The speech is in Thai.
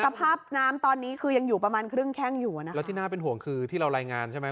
สภาพน้ำตอนนี้คือยังอยู่ประมาณครึ่งแข้งอยู่อ่ะนะคะแล้วที่น่าเป็นห่วงคือที่เรารายงานใช่ไหม